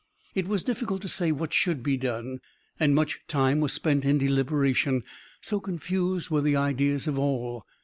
It was difficult to say what should be done, and much time was spent in deliberation so confused were the ideas of all.